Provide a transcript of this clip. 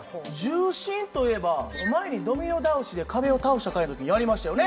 重心といえば前にドミノ倒しで壁を倒した回の時にやりましたよね？